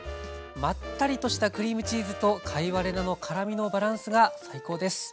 まったりとしたクリームチーズと貝割れ菜の辛みのバランスが最高です。